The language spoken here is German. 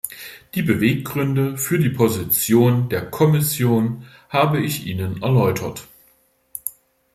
Die Beweggründe für die Position der Kommission habe ich Ihnen erläutert.